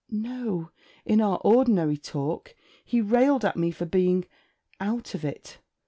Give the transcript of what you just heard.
'No: in our ordinary talk. He railed at me for being "out of it."